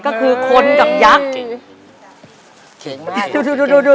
ก็คือคนกับยักษ์